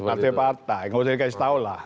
aktivis partai yang berasal di kaisa taulah